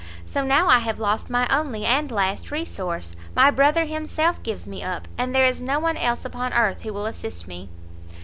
so now I have lost my only and last resource, my brother himself gives me up, and there is no one else upon earth who will assist me!"